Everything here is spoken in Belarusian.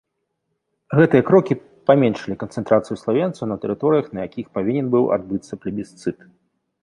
Гэтыя крокі паменшылі канцэнтрацыю славенцаў на тэрыторыях, на якіх павінен быў адбыцца плебісцыт.